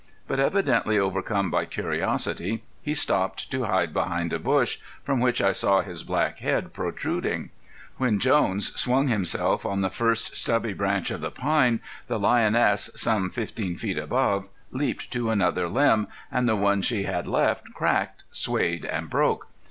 But evidently overcome by curiosity, he stopped to hide behind a bush, from which I saw his black head protruding. When Jones swung himself on the first stubby branch of the pine, the lioness, some fifteen feet above, leaped to another limb, and the one she had left cracked, swayed and broke.